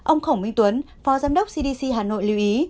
ông khổng minh tuấn phó giám đốc cdc hà nội lưu ý